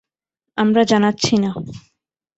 আমরা জানাচ্ছি না।